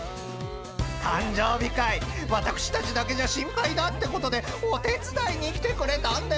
［誕生日会私たちだけじゃ心配だってことでお手伝いに来てくれたんです］